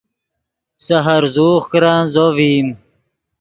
سے ہرزوغ کرن زو ڤئیم